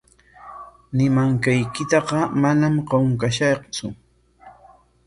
Ñimanqaykitaqa manam qunqashaqtsu.